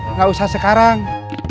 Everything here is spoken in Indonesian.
nggak usah sekarang